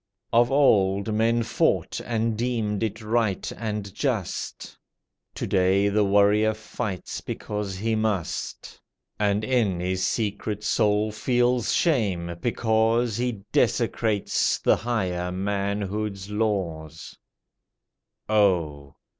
Of old men fought and deemed it right and just. To day the warrior fights because he must, And in his secret soul feels shame because He desecrates the higher manhood's laws Oh!